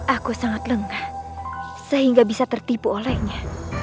aku sangat lengah saya gak bisa tertipu olehnya